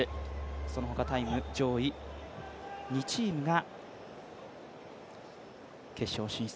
そのほかタイム上位２チームが決勝進出。